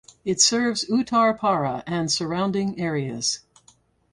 It serves Uttarpara and surrounding areas.